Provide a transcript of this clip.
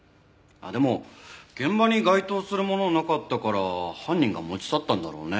あっでも現場に該当するものはなかったから犯人が持ち去ったんだろうね。